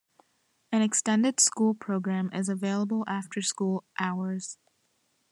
An extended school program is available after school hours.